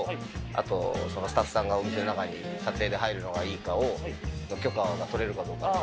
あとスタッフさんがお店の中に撮影で入るのがいいかを許可が取れるかどうか確認をしたいんですけども。